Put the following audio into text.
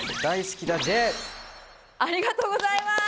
ありがとうございます！